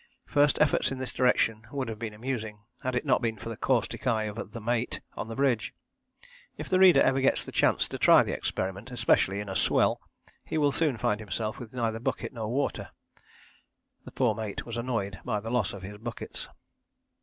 First efforts in this direction would have been amusing had it not been for the caustic eye of the 'Mate' on the bridge. If the reader ever gets the chance to try the experiment, especially in a swell, he will soon find himself with neither bucket nor water. The poor Mate was annoyed by the loss of his buckets.